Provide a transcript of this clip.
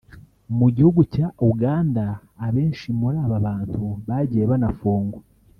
mu gihugu cya Uganda abenshi muri aba bantu bagiye banafungwa